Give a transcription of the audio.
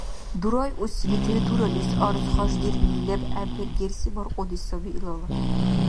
Дурайуси литературалис арц харждирни лебгӀеб пергерси баркьуди саби илала.